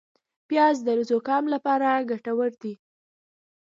پیاز د زکام لپاره ګټور دي